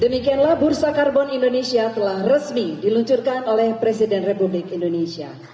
demikianlah bursa karbon indonesia telah resmi diluncurkan oleh presiden republik indonesia